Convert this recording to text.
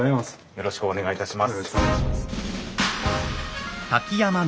よろしくお願いします。